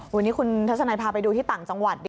วันนี้คุณทัศนัยพาไปดูที่ต่างจังหวัด